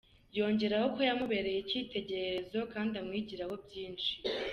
Yongeraho ko yamubereye ikitegererezo kandi amwigiraho byinshi.